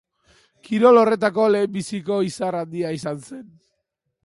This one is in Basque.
Kirol horretako lehenbiziko izar handia izan zen.